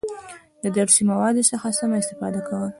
د درسي موادو څخه سمه استفاده کول،